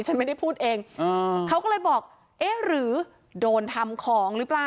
ฉันไม่ได้พูดเองเขาก็เลยบอกเอ๊ะหรือโดนทำของหรือเปล่า